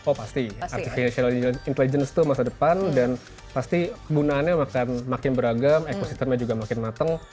oh pasti artificial intelligence itu masa depan dan pasti kegunaannya makin beragam ekosistemnya juga makin mateng